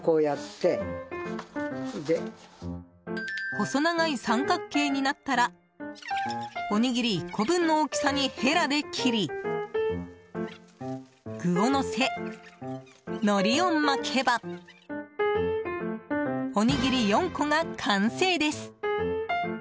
細長い三角形になったらおにぎり１個分の大きさにヘラで切り具をのせ、のりを巻けばおにぎり４個が完成です。